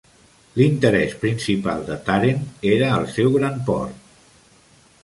L'interès principal de Tàrent era el seu gran port.